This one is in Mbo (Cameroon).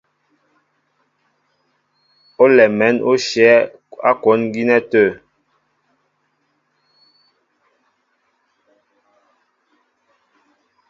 Olɛm mɛ̌n ó shyɛ̌ á kwón gínɛ́ tə̂.